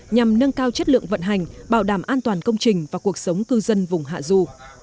nhằm nâng cao chất lượng vận hành bảo đảm an toàn công trình và cuộc sống cư dân vùng hạ du